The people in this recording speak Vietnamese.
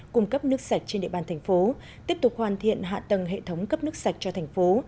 cung cấp nước sạch trên địa bàn thành phố tiếp tục hoàn thiện hạ tầng hệ thống cấp nước sạch cho thành phố